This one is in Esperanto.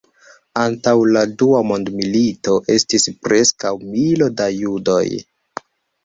Antaŭ la Dua Mondmilito estis preskaŭ milo da judoj.